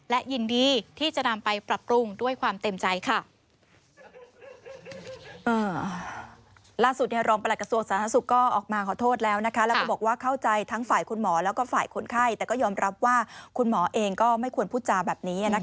และยินดีที่จะนำไปปรับปรุงด้วยความเต็มใจค่ะ